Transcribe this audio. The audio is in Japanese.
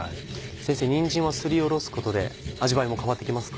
先生にんじんはすりおろすことで味わいも変わってきますか？